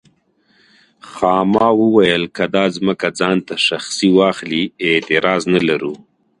خاما وویل که دا ځمکه ځان ته شخصي واخلي اعتراض نه لرو.